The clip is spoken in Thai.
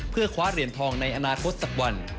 เพื่อคว้าเหรียญทองในอนาคตสักวัน